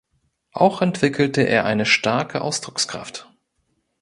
Auch entwickelte er eine starke Ausdruckskraft.